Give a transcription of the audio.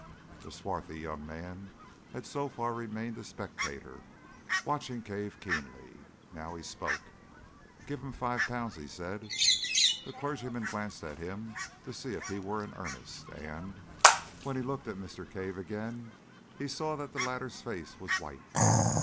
The swarthy young man had so far remained a spectator, watching Cave keenly. Now he spoke. "Give him five pounds," he said. The clergyman glanced at him to see if he were in earnest, and, when he looked at Mr. Cave again, he saw that the latter's face was white.